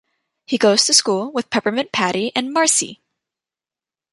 He goes to school with Peppermint Patty and Marcie.